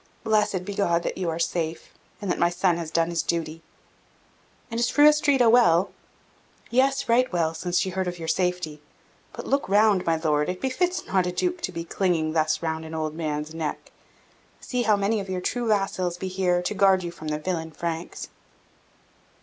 "Blessed be God that you are safe, and that my son has done his duty!" "And is Fru Astrida well?" "Yes, right well, since she heard of your safety. But look round, my Lord; it befits not a Duke to be clinging thus round an old man's neck. See how many of your true vassals be here, to guard you from the villain Franks."